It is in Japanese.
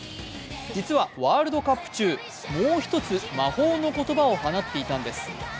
実はワールドカップ中、もう一つ、魔法の言葉を放っていたんです。